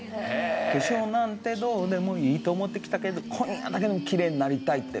「化粧なんてどうでもいいと思ってきたけれど今夜だけでもきれいになりたい」って。